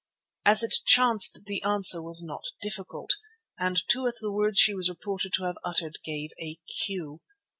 As it chanced the answer was not difficult, and to it the words she was reported to have uttered gave a cue.